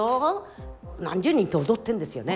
何十人と踊ってんですよね。